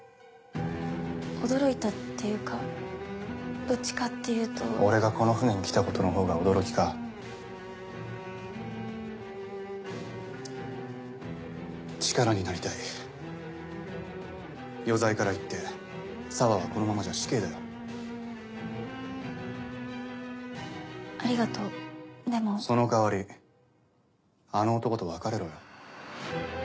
驚いたっていうかどっちかっていうと俺がこの船に来たことのほうが驚きか力になりたい余罪からいって沙和はこのままじゃ死ありがとうでもその代わりあの男と別れろよ